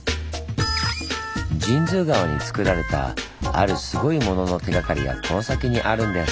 神通川につくられたあるすごいものの手がかりがこの先にあるんです。